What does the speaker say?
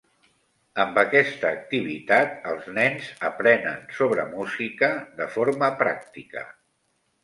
Amb aquesta activitat, els nens aprenen sobre música de forma pràctica.